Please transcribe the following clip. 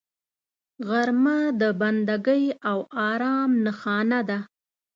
غرمه د بندګۍ او آرام نښانه ده